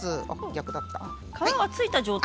逆だった。